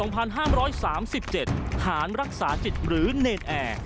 ปี๒๕๓๗ผ่านรักษาจิตหรือเนรนแอร์